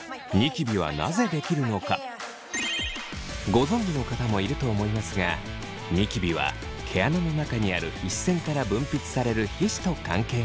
ご存じの方もいると思いますがニキビは毛穴の中にある皮脂腺から分泌される皮脂と関係があります。